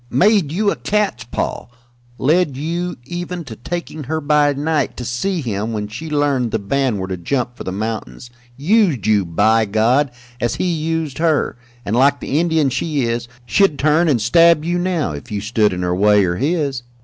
"Made you a cat's paw; led you even to taking her by night to see him when she learned the band were to jump for the mountains used you, by God, as he used her, and, like the Indian she is, she'd turn and stab you now, if you stood in her way or his.